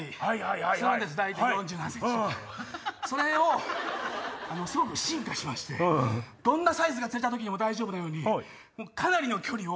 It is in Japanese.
それがすごく進化しましてどんなサイズが釣れた時にも大丈夫なように。